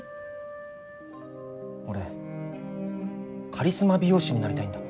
俺カリスマ美容師になりたいんだ。